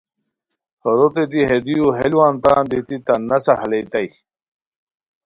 ہوروتے دی ہے دیو ہے لوان تان دیتی تان نسہ ہالیتائے